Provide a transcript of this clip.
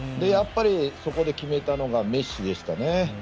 そこで決めたのがメッシでしたね。